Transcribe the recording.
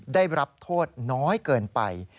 ได้รับโทษน้อยเกินไป